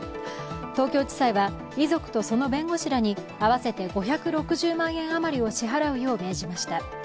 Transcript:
東京地裁は遺族とその弁護士に合わせて５６０万円余りを支払うよう命じました。